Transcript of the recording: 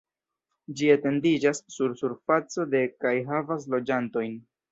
Ĝi etendiĝas sur surfaco de kaj havas loĝantojn.